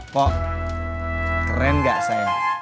pok keren gak saya